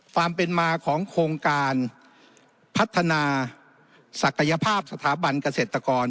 ความเป็นมาของโครงการพัฒนาศักยภาพสถาบันเกษตรกร